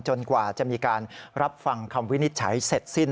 กว่าจะมีการรับฟังคำวินิจฉัยเสร็จสิ้น